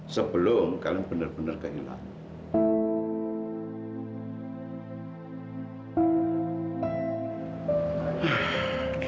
sebelum kalian benar benar kehilangan